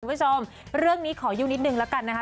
คุณผู้ชมเรื่องนี้ขอยุ่งนิดนึงแล้วกันนะคะ